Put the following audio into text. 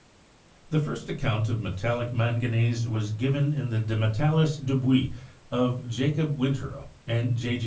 The first account of metallic manganese was given in the 'De metallis dubiis' of Jacob Winterl and J.